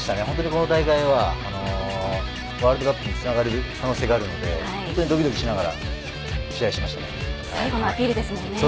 この大会はワールドカップにつながる可能性があるのでドキドキしながら試合しましたね。